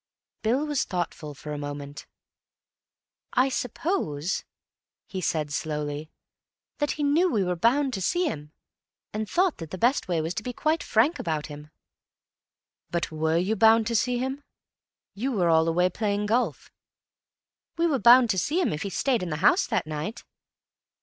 Bill was thoughtful for a moment. "I suppose," he said slowly, "that he knew we were bound to see him, and thought that the best way was to be quite frank about him." "But were you bound to see him? You were all away playing golf." "We were bound to see him if he stayed in the house that night."